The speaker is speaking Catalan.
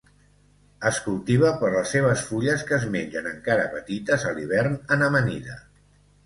Es cultiva per les seves fulles que es mengen encara petites a l'hivern en amanida.